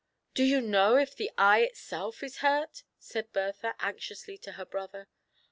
"Do you know if the eye itself is hurt ?" said Bertha anxiously to her brother.